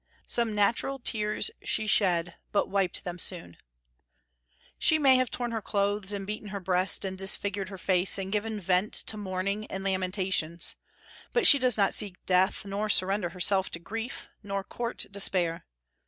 "Some natural tears she shed, but wiped them soon." She may have torn her clothes, and beaten her breast, and disfigured her face, and given vent to mourning and lamentations. But she does not seek death, nor surrender herself to grief, nor court despair.